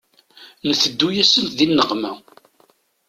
Nteddu-yasent di nneqma.